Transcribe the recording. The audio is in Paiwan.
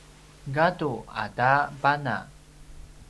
gadu ata pana